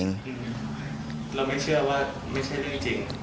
เราไม่เชื่อว่าไม่ใช่เรื่องจริง